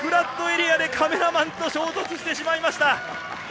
思わずカメラマンと衝突してしまいました。